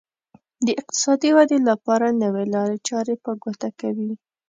د اقتصادي ودې لپاره نوې لارې چارې په ګوته کوي.